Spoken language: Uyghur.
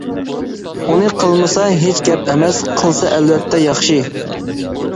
ئۇنى قىلمىسا ھېچ گەپ ئەمەس، قىلسا ئەلۋەتتە ياخشى.